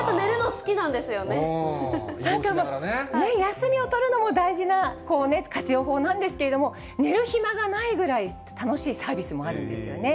休みを取るのも大事な活用法なんですけれども、寝る暇がないぐらい楽しいサービスもあるんですよね。